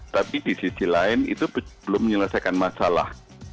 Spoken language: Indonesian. tapi di sisi lain itu belum menyelesaikan masalah